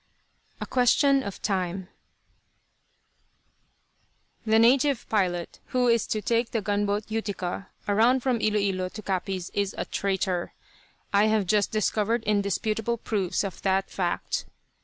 A QUESTION OF TIME "The native pilot who is to take the gunboat Utica around from Ilo Ilo to Capiz is a traitor. I have just discovered indisputable proofs of that fact.